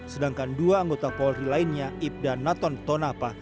sedangkan dua anggota polri lainnya ip dan naton tonapa